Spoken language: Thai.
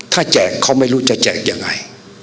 ถ้าแจกเขาไม่รู้จะแจกยังไง